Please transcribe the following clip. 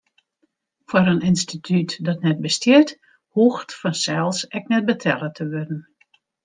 Foar in ynstitút dat net bestiet, hoecht fansels ek net betelle te wurden.